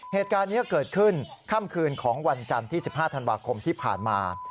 เหตุการณ์นี้เกิดขึ้นค่ำคืนของวันจันทร์ที่๑๕ธันวาคมที่ผ่านมา